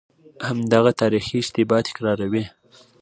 همدغه تاریخي اشتباه تکراروي.